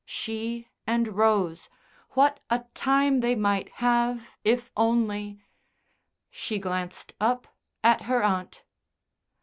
She and Rose what a time they might have if only She glanced up at her aunt.